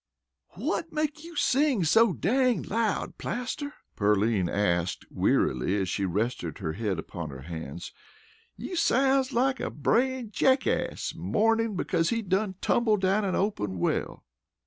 "Whut makes you sing so dang loud, Plaster?" Pearline asked wearily, as she rested her head upon her hands. "You sounds like a brayin' jackace mournin' because he done tumbled down a open well."